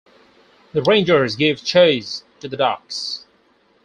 The Rangers give chase to the docks.